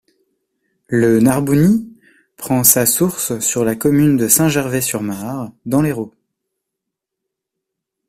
Le Narbounis prend sa source sur la commune de Saint-Gervais-sur-Mare dans l'Hérault.